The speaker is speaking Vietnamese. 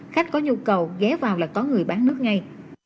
khách có nhu cầu ghé vào là có người bán nước ngay